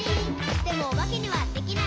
「でもおばけにはできない。」